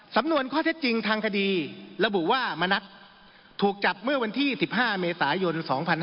สำนวนข้อเท็จจริงทางคดีระบุว่ามณัฐถูกจับเมื่อวันที่๑๕เมษายน๒๕๕๙